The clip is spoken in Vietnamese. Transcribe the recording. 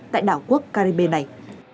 tại đảo quốc caribe này